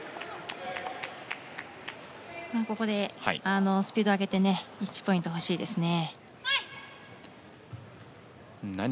ここでスピードを上げて１ポイント欲しいですね。